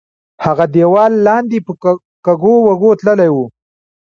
هغه دیوال لاندې په کږو وږو تللی وو.